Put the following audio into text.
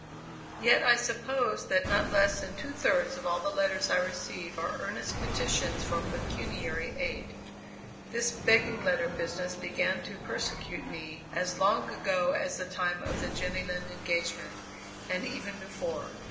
Yet I suppose that not less than two thirds of all the letters I receive are earnest petitions for pecuniary aid. This begging letter business began to persecute me as long ago as the time of the Jenny Lind engagement, and even before.